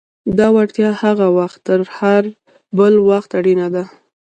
دا وړتیا هغه وخت تر هر بل وخت اړینه ده.